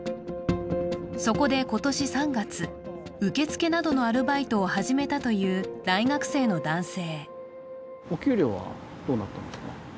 そこで今年３月、受付などのアルバイトを始めたという大学生の男性。